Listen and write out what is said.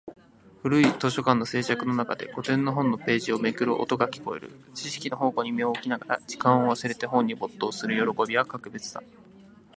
古い図書館の静寂の中で、古典の本のページをめくる音が聞こえる。知識の宝庫に身を置きながら、時間を忘れて本に没頭する喜びは格別だ。